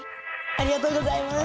ありがとうございます。